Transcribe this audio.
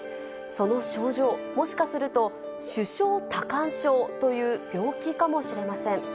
その症状、もしかすると、手掌多汗症という病気かもしれません。